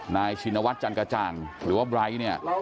นายชินวัฒน์จันกระจ่างหรือว่าไบร์ท